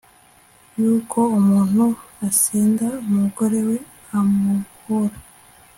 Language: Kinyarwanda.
yuko umuntu asenda umugore we amuhora